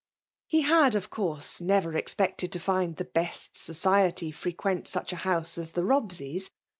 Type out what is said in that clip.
He had, of course, never expected to find the best society frequent stlcb a house as the Bobseys.